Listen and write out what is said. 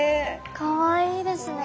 かわいいですね。